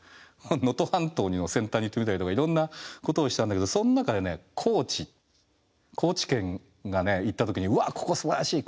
能登半島の先端に行ってみたりとかいろんなことをしたんだけどそん中でね高知高知県がね行った時に「わここすばらしい！